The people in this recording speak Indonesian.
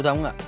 lo tau nggak